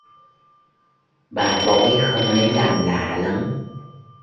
Bà bói không lấy làm lạ lắm